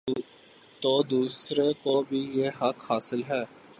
تو دوسرے کو بھی یہ حق حاصل ہے۔